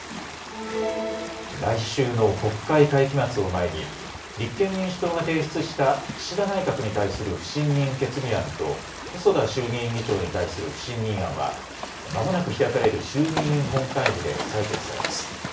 来週の国会会期末を前に立憲民主党が提出した岸田内閣に対する不信任決議案と細田衆議院議長に対する不信任案はまもなく開かれる衆議院本会議で採決されます。